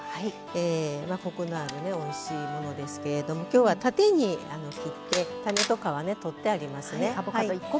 コクのあるおいしいものですけれどもきょうは縦に切って種とかは取ってありますね。